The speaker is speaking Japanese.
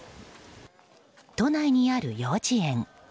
都内にある幼稚園。